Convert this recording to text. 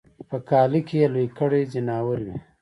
په کاله کی یې لوی کړي ځناور وي